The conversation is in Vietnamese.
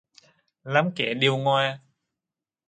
Lắm kẻ điêu ngoa